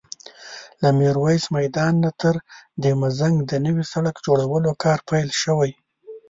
له ميرويس میدان نه تر دهمزنګ د نوي سړک جوړولو کار پیل شوی